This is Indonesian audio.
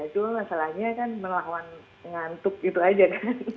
itu masalahnya kan melawan ngantuk gitu aja kan